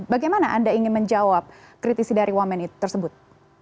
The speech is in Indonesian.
bagaimana anda ingin menjawab kritisi dari wamen tersebut